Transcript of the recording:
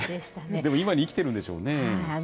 でも、今に生きてるんでしょうね。